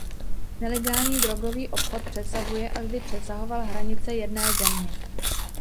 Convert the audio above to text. Nelegální drogový obchod přesahuje a vždy přesahoval hranice jedné země.